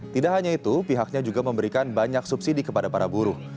tidak hanya itu pihaknya juga memberikan banyak subsidi kepada para buruh